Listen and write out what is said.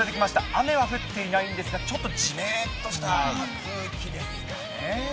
雨は降っていないんですが、ちょっとじめっとした空気ですかね。